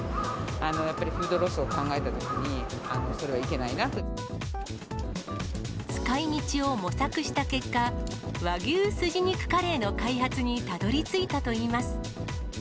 やっぱりフードロスを考えたとき使いみちを模索した結果、和牛すじ肉カレーの開発にたどりついたといいます。